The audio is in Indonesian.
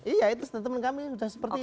iya itu statement kami sudah seperti itu